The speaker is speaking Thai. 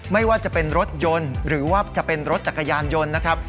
ไม่ว่าจะเป็นรถยนต์หรือว่าจะเป็นรถจักรยานยนต์นะครับ